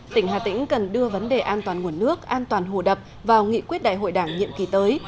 tỉnh hà tĩnh cần đưa vấn đề an toàn nguồn nước an toàn hồ đập vào nghị quyết đại hội đảng nhiệm kỳ tới